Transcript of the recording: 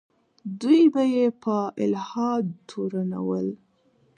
دوی به یې په الحاد تورنول.